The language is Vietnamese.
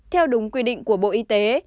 theo đúng quy định của bộ y tế